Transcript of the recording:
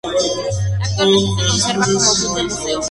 Actualmente se conserva como buque museo.